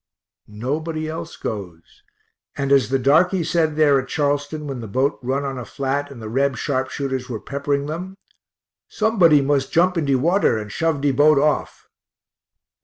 Nobody else goes; and as the darkey said there at Charleston when the boat run on a flat and the Reb sharpshooters were peppering them, "somebody must jump in de water and shove de boat off."